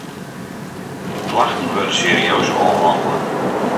Klachten wurde serieus ôfhannele.